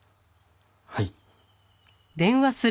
はい。